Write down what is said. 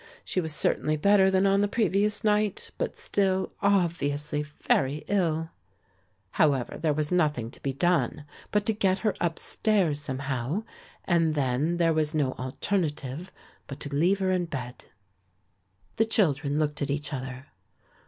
She was certainly better than on the previous night, but still obviously very ill. However, there was nothing to be done but to get her upstairs somehow, and then there was no alternative but to leave her in bed. The children looked at each other.